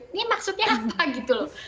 ini maksudnya apa gitu loh